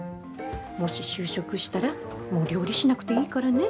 もし就職したらもう料理しなくていいからね。